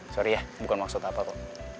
sorry ya bukan maksud apa kok